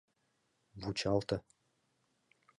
— Вучалте.